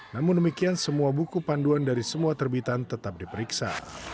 namun demikian semua buku panduan dari semua terbitan tetap diperiksa